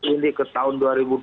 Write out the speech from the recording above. ini ke tahun dua ribu dua puluh